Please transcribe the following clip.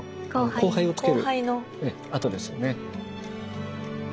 光背をつけるええ跡ですよね。